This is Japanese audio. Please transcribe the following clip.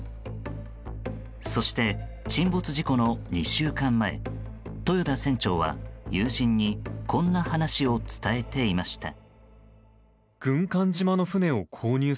そして沈没事故の２週間前豊田船長は友人にこんな話を伝えていました。